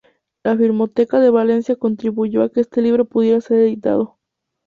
La Filmoteca de Valencia contribuyó a que este libro pudiera ser editado.